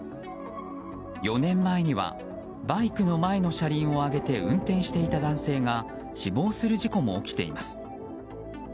４年前にはバイクの前の車輪を上げて運転していた男性が死亡する事故も起きています。